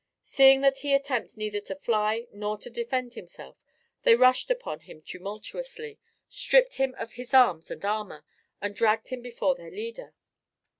Seeing that he attempted neither to fly nor to defend himself, they rushed upon him tumultuously, stripped him of his arms and armour, and dragged him before their leader.